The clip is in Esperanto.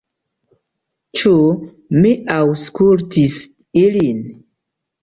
Ĉu mi aŭskultis ilin?